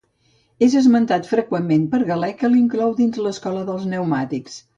És esmentat freqüentment per Galè que l'inclou dins l'escola dels pneumàtics.